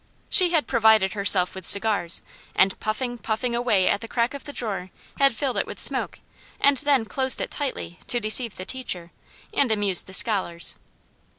She had provided herself with cigars, and puffing, puffing away at the crack of the drawer, had filled it with smoke, and then closed it tightly to deceive the teacher, and amuse the scholars.